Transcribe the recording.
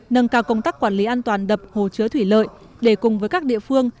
nâng cao công tác quản lý an toàn đập hồ chứa thủy lợi để cùng với các địa phương